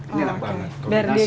ini enak banget